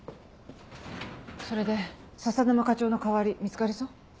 それで笹沼課長の代わり見つかりそう？